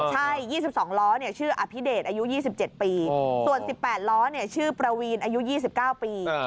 ใช่๒๒ล้อชื่ออภิเดชอายุ๒๗ปีส่วน๑๘ล้อชื่อประวีนอายุ๒๙ปี